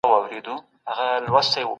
د احمد شاه ابدالي په دربار کي کوم خلګ وو؟